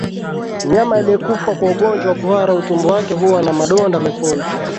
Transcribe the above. Mnyama aliyekufa kwa ugonjwa wa kuhara utumbo wake huwa na madonda mekundu